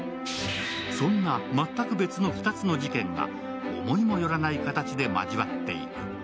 そんな全く別の２つの事件が思いもよらない形で交わっていく。